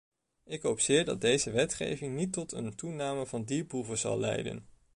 Ik hoop zeer dat deze wetgeving niet tot een toename van dierproeven zal leiden.